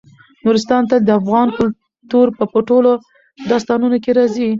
نورستان تل د افغان کلتور په ټولو داستانونو کې راځي.